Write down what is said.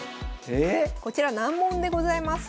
こちら難問でございます。